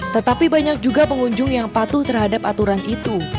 tetapi banyak juga pengunjung yang patuh terhadap aturan itu